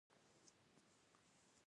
زه ژمی خوښوم.